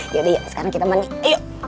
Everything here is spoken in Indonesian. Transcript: yaudah yuk sekarang kita mandi yuk